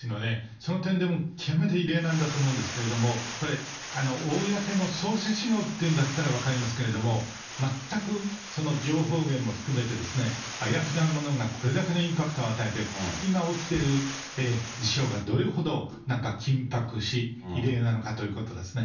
その点でも極めて異例なんだと思うんですけれども、これ、公の捜査資料だっていうんだったら分かりますけれども、全く情報源も含めて、あやふやなものがこれだけのインパクトを与えていると、今起きている事象がどれほど緊迫し、異例なのかということですね。